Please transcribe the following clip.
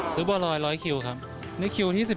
ซื้อบัวลอย๑๐๐คิ้วครับนี่คิ้วที่๑๗คับ